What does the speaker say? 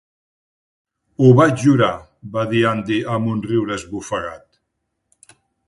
"Ho vaig jurar", va dir Andy amb un riure esbufegat.